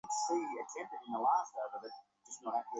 নরেন্দ্রকে ডাকিয়া লইয়া কত কী গল্প শুনাইত।